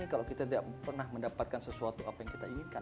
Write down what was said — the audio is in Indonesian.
kalau kita tidak pernah mendapatkan sesuatu apa yang kita inginkan